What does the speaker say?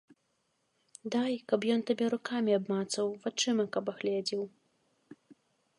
Дай, каб ён табе рукамі абмацаў, вачыма каб агледзеў.